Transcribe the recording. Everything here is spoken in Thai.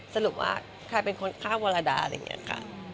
สรุปว่าใครเป็นคนฆ่าวรดาอะไรอย่างนี้ค่ะ